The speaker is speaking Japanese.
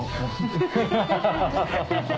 ハハハ。ハハハ。